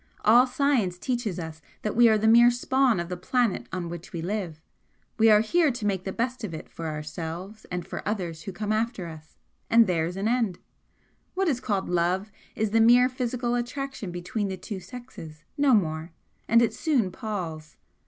All science teaches us that we are the mere spawn of the planet on which we live, we are here to make the best of it for ourselves and for others who come after us and there's an end. What is called Love is the mere physical attraction between the two sexes no more, and it soon palls.